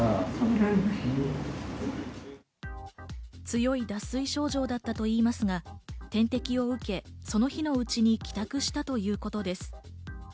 強い脱水症状だったといいますが、点滴を受け、その日のうちに帰宅したということです。